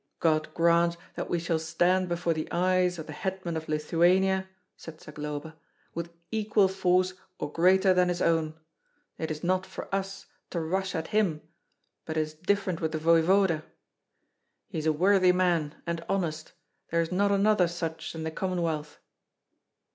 God grant that we shall stand before the eyes of the hetman of Lithuania," said Zagloba, "with equal force or greater than his own. It is not for us to rush at him, but it is different with the voevoda. He is a worthy man, and honest; there is not another such in the Commonwealth."